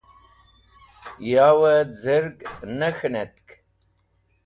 Yavẽ z̃irg ne k̃hẽnetk